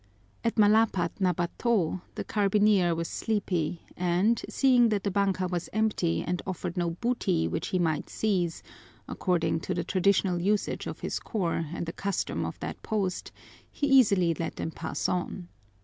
At Malapad na bato the carbineer was sleepy and, seeing that the banka was empty and offered no booty which he might seize, according to the traditional usage of his corps and the custom of that post, he easily let them pass on.